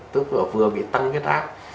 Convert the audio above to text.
tức là vừa bị tăng viết áp